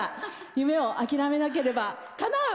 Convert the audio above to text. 夢を諦めなければ、かなう！